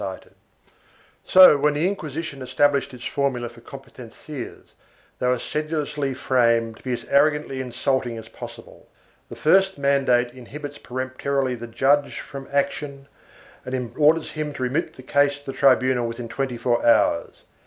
IV] COMPETENCIAS 519 So, when the Inquisition established its formula for compe tencias, they were sedulously framed to be as arrogantly insulting as possible. The first mandate inhibits peremptorily the judge from action and orders him to remit the case to the tribunal within twenty four hours.